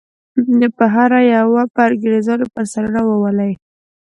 په هره یوه به انګریزان پر سرونو وولي.